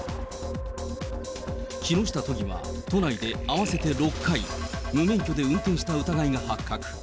木下都議は、都内で合わせて６回、無免許で運転した疑いが発覚。